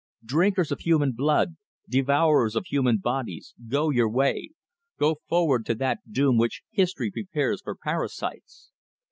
"Drinkers of human blood, devourers of human bodies, go your way! Go forward to that doom which history prepares for parasites!"